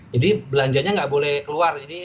jadi belanjanya nggak boleh keluar jadi